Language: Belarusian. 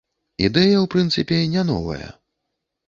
Ідэя ў прынцыпе не новая.